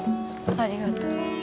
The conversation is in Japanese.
ありがとう。